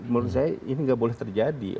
menurut saya ini nggak boleh terjadi